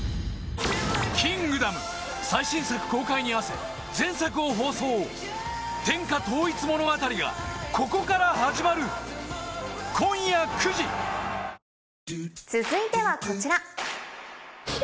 『キングダム』最新作公開に合わせ前作を放送天下統一物語がここから始まる続いてはこちら。